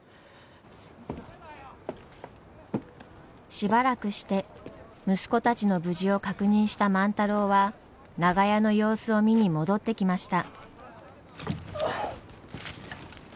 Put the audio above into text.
しばらくして息子たちの無事を確認した万太郎は長屋の様子を見に戻ってきました。